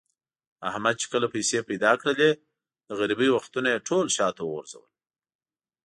احمد چې کله پیسې پیدا کړلې، د غریبۍ وختونه یې ټول شاته و غورځول.